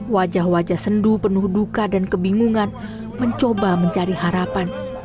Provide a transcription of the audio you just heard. wajah wajah sendu penuh duka dan kebingungan mencoba mencari harapan